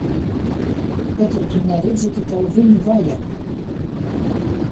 Vai tad tu neredzi, ka tev viņu vajag?